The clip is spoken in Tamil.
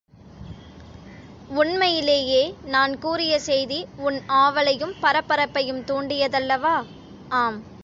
உண்மையிலேயே நான் கூறிய செய்தி உன் ஆவலையும் பரபரப்பையும் தூண்டியது அல்லவா? ஆம்!